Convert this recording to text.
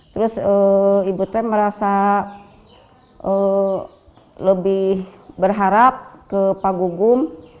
terus ibu t merasa lebih berharap ke pak gugum